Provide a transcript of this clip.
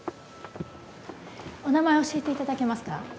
お名前教えていただけますか？